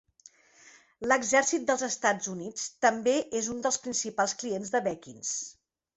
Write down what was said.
L'Exèrcit dels Estats Units també és un dels principals clients de Bekins.